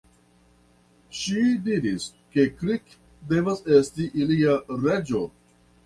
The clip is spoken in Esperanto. Ŝi diras, ke Kirk devas esti ilia "reĝo".